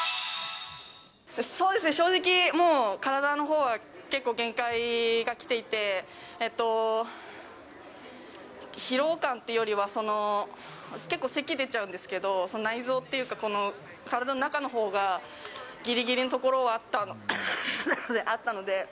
そうですね、正直、もう体のほうは結構、限界がきていて、疲労感というよりは、その、結構せき出ちゃうんですけど、内臓っていうか、体の中のほうがぎりぎりのところはあったので。